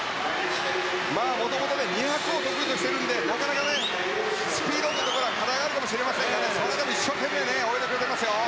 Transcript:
もともと２００を得意としているのでなかなかスピードに課題があるかもしれませんがそれでも一生懸命泳いでいきますよ。